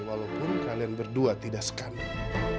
walaupun kalian berdua tidak skandar